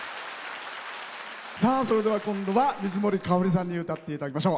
今度は水森かおりさんに歌っていただきましょう。